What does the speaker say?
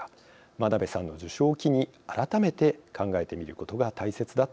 真鍋さんの受賞を機に改めて考えてみることが大切だと思います。